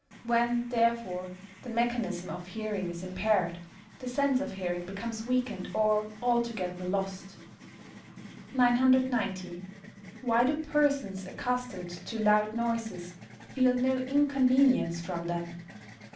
When, therefore, the mechanism of hearing is impaired, the sense of hearing becomes weakened, or altogether lost. 990. _Why do persons accustomed to loud noises feel no inconvenience from them?